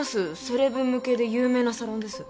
セレブ向けで有名なサロンです。